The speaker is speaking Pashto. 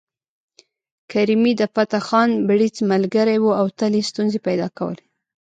کرمي د فتح خان بړيڅ ملګری و او تل یې ستونزې پيدا کولې